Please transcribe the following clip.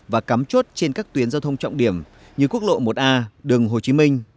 và cắm chốt trên các tuyến giao thông trọng điểm như quốc lộ một a đường hồ chí minh